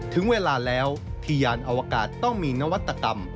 ถึงเวลาแล้วที่ยานอวกาศต้องมีนวัตกรรม